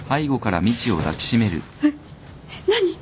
えっ何！？